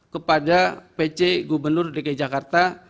kepada pc gubernur dki jakarta